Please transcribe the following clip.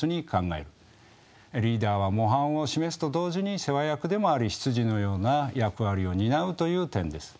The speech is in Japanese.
リーダーは模範を示すと同時に世話役でもあり執事のような役割を担うという点です。